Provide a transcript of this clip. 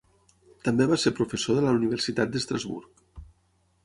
També va ser professor de la Universitat d'Estrasburg.